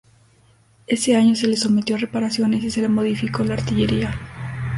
Ese año se le sometió a reparaciones y se le modificó la artillería.